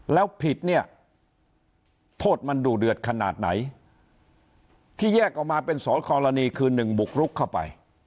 แล้วผิดเนี่ยโทษมันดูเดือดขนาดไหนที่แยกออกมาเป็นสองกรณีคือ๑บุกรุกเข้าไป